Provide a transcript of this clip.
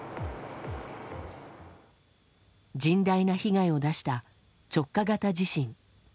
甚大な被害を出した直下型地震。